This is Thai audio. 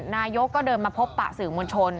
นายกก็เดินมาพบปะสื่อมวลชน